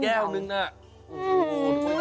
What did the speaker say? แก้วหนึ่งน่ะ